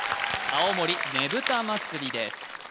青森ねぶた祭です